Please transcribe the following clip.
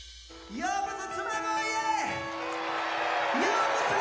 ようこそ！